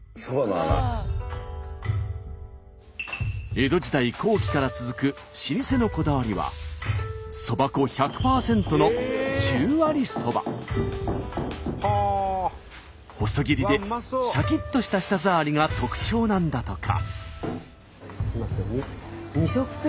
江戸時代後期から続く老舗のこだわりはそば粉１００％の細切りでしゃきっとした舌触りが特徴なんだとか。